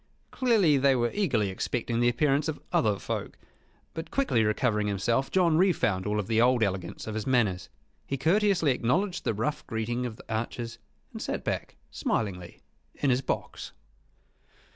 Clearly they were eagerly expecting the appearance of other folk; but, quickly recovering himself, John re found all the old elegance of his manners. He courteously acknowledged the rough greeting of the archers, and sat back smilingly in his box.